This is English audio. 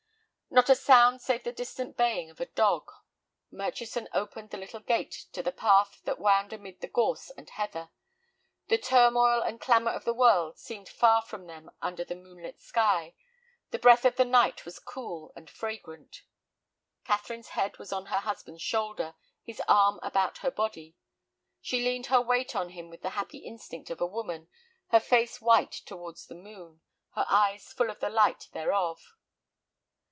Not a sound save the distant baying of a dog. Murchison opened the little gate to the path that wound amid the gorse and heather. The turmoil and clamor of the world seemed far from them under the moonlit sky; the breath of the night was cool and fragrant. Catherine's head was on her husband's shoulder, his arm about her body. She leaned her weight on him with the happy instinct of a woman, her face white towards the moon, her eyes full of the light thereof.